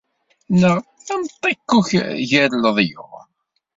Neɣ am ṭikkuk ger leḍyur.